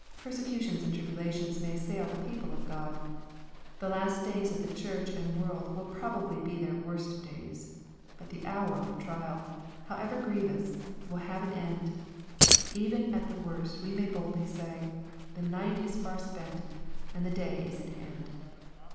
Persecutions and tribulations may assail the people of God. The last days of the Church and world will probably be their worst days. But the "hour" of trial, however grievous, will have an end. Even at the worst we may boldly say, " The night is far spent and the day is at hand."